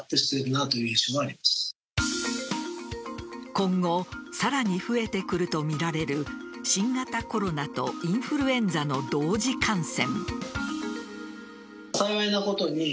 今後さらに増えてくるとみられる新型コロナとインフルエンザの同時感染。